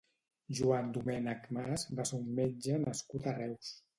Joan Domènech Mas va ser un metge nascut a Reus.